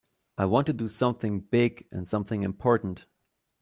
I want to do something big and something important.